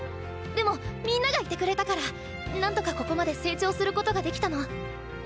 でもみんながいてくれたから何とかここまで成長することができたの。